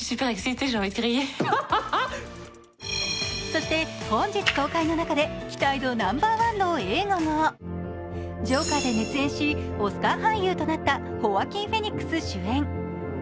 そして、本日公開の中で期待度ナンバーワンの映画が「ジョーカー」で熱演しオスカー俳優となったホアキン・フェニックス主演